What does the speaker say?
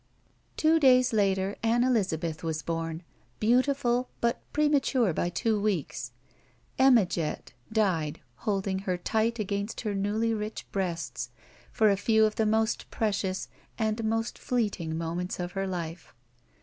Two days later Ann Elizabeth was bom, beautiful, but premature by two weeks. Emma Jett died holding her tight against her newly rich breasts, for a few of the most precious and most fleeting moments of her life.